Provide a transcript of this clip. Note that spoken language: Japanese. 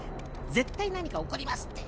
絶対何か起こりますって。